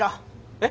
えっ？